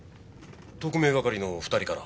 特命係の２人から。